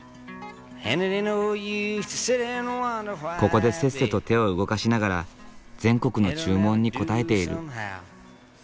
ここでせっせと手を動かしながら全国の注文に応えている。